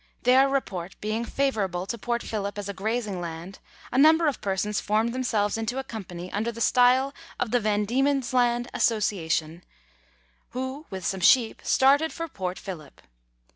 Their report being favourable to Port Phillip as a grazing land, a number of persons formed themselves into a company under the style of the "Van Diemen's Land Association," who, with some sheep, started for Port Phillip.